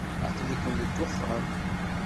Aql-iken deg uxxam.